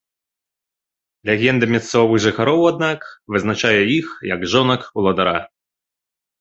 Легенда мясцовых жыхароў, аднак, вызначае іх як жонак уладара.